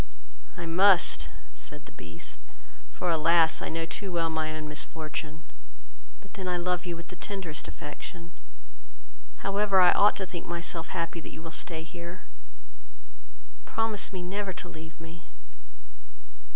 "I must, said the Beast, for, alas! I know too well my own misfortune; but then I love you with the tenderest affection: however, I ought to think myself happy that you will stay here; promise me never to leave me."